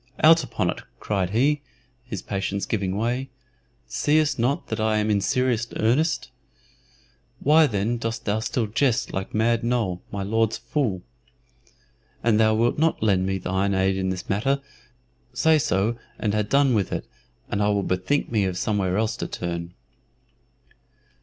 "Out upon it!" cried he, his patience giving way. "Seest not that I am in serious earnest? Why then dost thou still jest like Mad Noll, my Lord's fool? An thou wilt not lend me thine aid in this matter, say so and ha' done with it, and I will bethink me of somewhere else to turn."